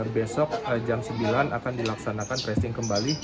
besok jam sembilan akan dilaksanakan tracing kembali